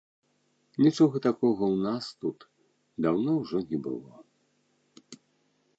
Нічога такога ў нас тут даўно ўжо не было.